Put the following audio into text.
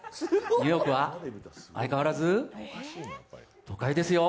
ニューヨークは、相変わらず都会ですよ。